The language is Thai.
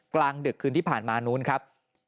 กลางดึกคืนที่ผ่านมานู้นครับ